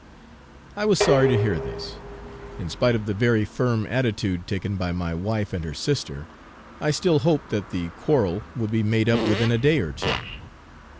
I was sorry to hear this. In spite of the very firm attitude taken by my wife and her sister, I still hoped that the quarrel would be made up within a day or two.